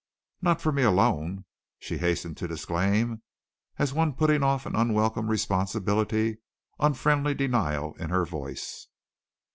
"Not for me alone!" she hastened to disclaim, as one putting off an unwelcome responsibility, unfriendly denial in her voice.